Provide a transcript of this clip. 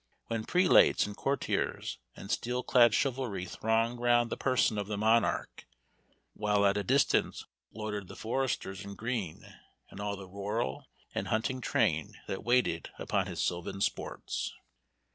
When prelates and courtiers, and steel clad chivalry thronged round the person of the monarch, while at a distance loitered the foresters in green, and all the rural and hunting train that waited upon his sylvan sports.